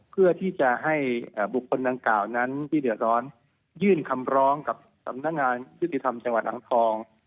เพื่อที่จะให้บุคคลดังกล่าวนั้นที่เดือดร้อนยื่นคำร้องกับสำนักงานยุติธรรมจังหวัดอ่างทอง